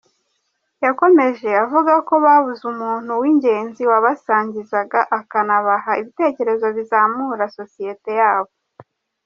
Yakomeje avuga ko babuze umuntu w’ingenzi wabasangizaga akanabaha ibitekerezo bizamura sosiyete yabo.